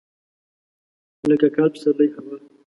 لکه کال، پسرلی، هوا.